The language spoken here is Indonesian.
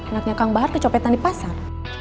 anaknya kang bahar kecopetan di pasar